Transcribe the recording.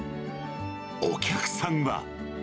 お客さんは。